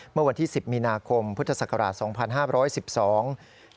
เมื่อวันที่๑๐มินาคมพุทธศักราช๒๕๑๒